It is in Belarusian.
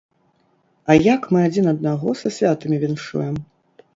А як мы адзін аднаго са святамі віншуем?